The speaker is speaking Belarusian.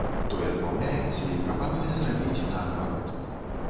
Той адмаўляецца і прапануе зрабіць наадварот.